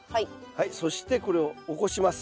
はいそしてこれを起こします。